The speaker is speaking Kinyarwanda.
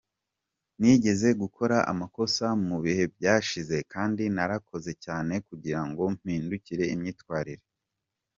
Nigeze gukora amakosa mu bihe byashize kandi narakoze cyane kugira ngo mpindure imyitwarire.